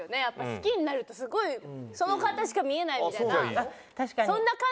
やっぱ好きになるとすごいその方しか見えないみたいな。